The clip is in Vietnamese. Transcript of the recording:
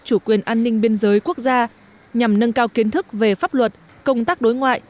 chủ quyền an ninh biên giới quốc gia nhằm nâng cao kiến thức về pháp luật công tác đối ngoại